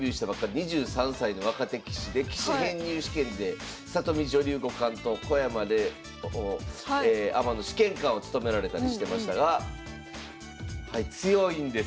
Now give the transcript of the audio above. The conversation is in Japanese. ２３歳の若手棋士で棋士編入試験で里見女流五冠と小山怜央アマの試験官を務められたりしてましたが強いんです。